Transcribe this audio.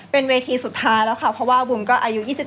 เป็นเวทีสุดท้ายเพราะบูมอายุ๒๗แล้ว